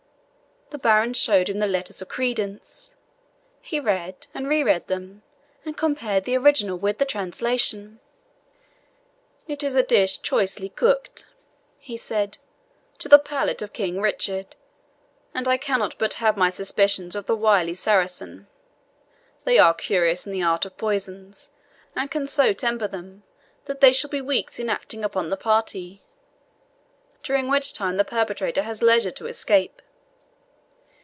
The baron showed him the letters of credence. He read and re read them, and compared the original with the translation. "It is a dish choicely cooked," he said, "to the palate of King Richard, and I cannot but have my suspicions of the wily Saracen. They are curious in the art of poisons, and can so temper them that they shall be weeks in acting upon the party, during which time the perpetrator has leisure to escape.